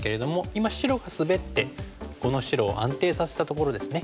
今白がスベってこの白を安定させたところですね。